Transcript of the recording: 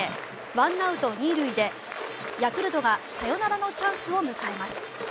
１アウト２塁でヤクルトがサヨナラのチャンスを迎えます。